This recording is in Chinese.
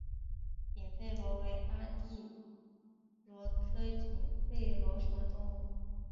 隐肺螺为阿地螺科隐肺螺属的动物。